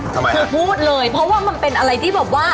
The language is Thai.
กูพูดเลยเพราะว่ามันเป็นอะไรที่บอกว่า